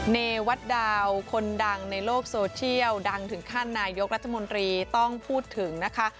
เนวัตดาวคนดังในโลกโซเชียลดังถึงขั้นนายกรัฐมนตรีต้องพูดถึงนะคะ